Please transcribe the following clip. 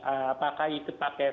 apakah itu pakai